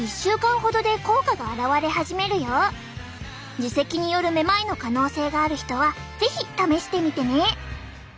耳石によるめまいの可能性がある人は是非試してみてね！